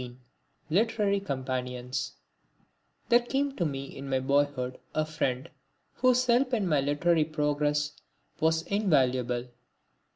(19) Literary Companions There came to me in my boyhood a friend whose help in my literary progress was invaluable.